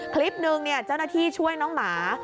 คลิปหนึ่งเจ้าหน้าที่ช่วยน้องหมา